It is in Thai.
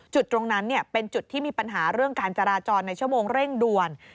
จุดตรงนั้นเป็นจุดที่มีปัญหาเรื่องการจราจรในชั่วโมงเร่งด่วน